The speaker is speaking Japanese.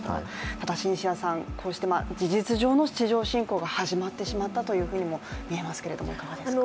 ただシンシアさん、事実上の地上侵攻が始まってしまったというふうにも見えますがいかがですか。